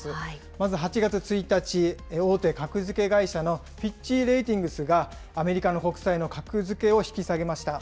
まず８月１日、大手格付け会社のフィッチ・レーティングスがアメリカの国債の格付けを引き下げました。